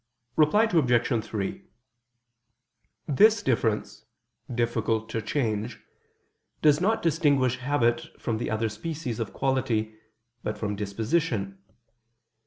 _ Reply Obj. 3: This difference, "difficult to change," does not distinguish habit from the other species of quality, but from disposition.